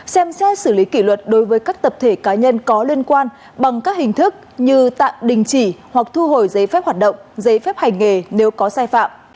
xem xét xử lý kỷ luật đối với các tập thể cá nhân có liên quan bằng các hình thức như tạm đình chỉ hoặc thu hồi giấy phép hoạt động giấy phép hành nghề nếu có sai phạm